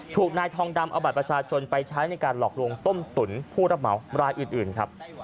ถูกนายทองดำเอาบัตรประชาชนไปใช้ในการหลอกลวงต้มตุ๋นผู้รับเหมารายอื่นครับ